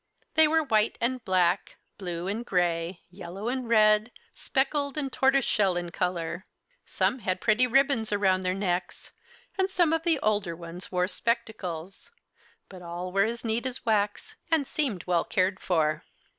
They were white and black, blue and gray, yellow and red, speckled and tortoise shell in color. Some had pretty ribbons around their necks and some of the older ones wore spectacles; but all were as neat as wax, and seemed well cared for.